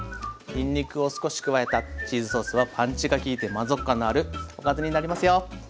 にんにくを少し加えたチーズソースはパンチが利いて満足感のあるおかずになりますよ！